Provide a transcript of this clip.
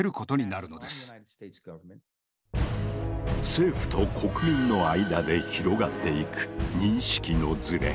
政府と国民の間で広がっていく認識のズレ。